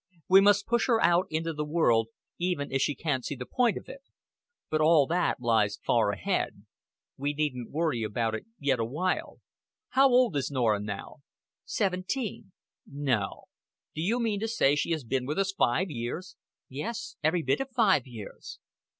We must push her out into the world, even if she can't see the point of it. But all that lies far ahead. We needn't worry about it yet a while.... How old is Norah now?" "Seventeen." "No? Do you mean to say she has been with us five years?" "Yes. Every bit of five years."